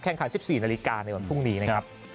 คัน๑๔นาฬิกาในวันพรุ่งนี้นะครับ